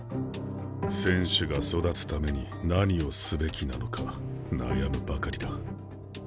選手が育つために何をすべきなのか悩むばかりだ。